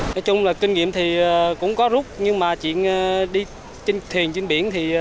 nói chung là kinh nghiệm thì cũng có rút nhưng mà chuyện đi trên thuyền trên biển thì